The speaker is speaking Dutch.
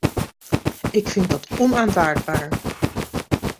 Ik vind dat onaanvaardbaar!